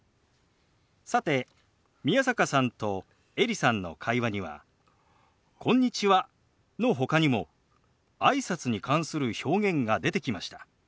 さて宮坂さんとエリさんの会話には「こんにちは」のほかにもあいさつに関する表現が出てきました。